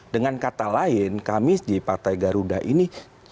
dengan kata lain kami di partai garuda ini